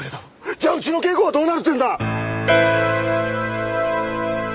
じゃあうちの圭子はどうなるっていうんだ！